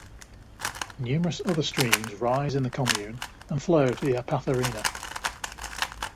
Numerous other streams rise in the commune and flow to the Apatharena.